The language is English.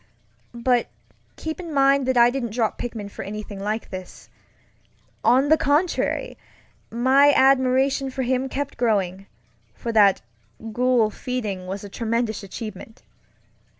But keep in mind that I didn't drop Pickman for anything like this. On the contrary, my admiration for him kept growing; for that Ghoul Feeding was a tremendous achievement.